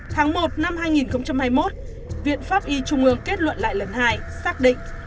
tháng một năm hai nghìn hai mươi một viện pháp y trung ương kết luận lại lần hai xác định